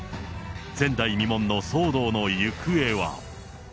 前代未聞の騒動の行方は。